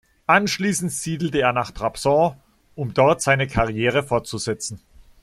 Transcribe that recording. Anschließend siedelte er nach Trabzon, um dort seine Karriere fortzusetzen.